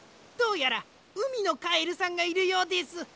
どうやらうみのカエルさんがいるようです。